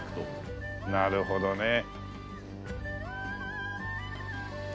なるほどね。